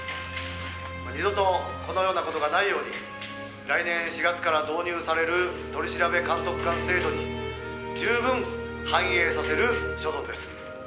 「二度とこのような事がないように来年４月から導入される取調監督官制度に十分反映させる所存です」